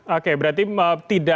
oke berarti tidak berarti